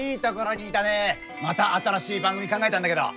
また新しい番組考えたんだけど。